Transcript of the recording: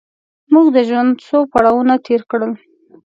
موږ د ژوند څو پړاوونه تېر کړل.